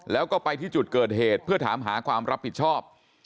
แล้วก็ไปที่จุดเกิดเหตุเพื่อถามหาความรับผิดชอบ